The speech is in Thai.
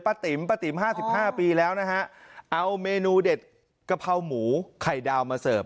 ติ๋มป้าติ๋ม๕๕ปีแล้วนะฮะเอาเมนูเด็ดกะเพราหมูไข่ดาวมาเสิร์ฟ